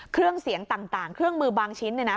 เครื่องเสียงต่างเครื่องมือบางชิ้น